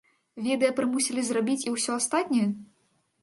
Відэа прымусілі зрабіць і ўсё астатняе?